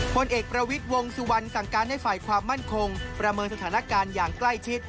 ผลเอกประวิทย์วงสุวรรณสั่งการให้ฝ่ายความมั่นคงประเมินสถานการณ์อย่างใกล้ชิด